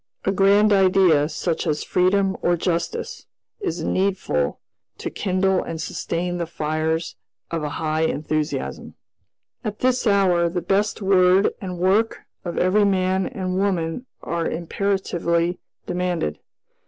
A grand idea such as freedom or justice is needful to kindle and sustain the fires of a high enthusiasm. "At this hour, the best word and work of every man and woman are imperatively demanded.